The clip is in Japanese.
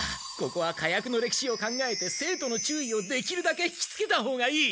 ここは火薬の歴史を考えて生徒の注意をできるだけ引きつけたほうがいい。